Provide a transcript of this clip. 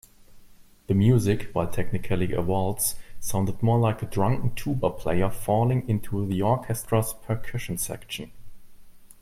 The music, while technically a waltz, sounded more like a drunken tuba player falling into the orchestra's percussion section.